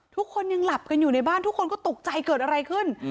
ทุกคนยังหลับกันอยู่ในบ้านทุกคนก็ตกใจเกิดอะไรขึ้น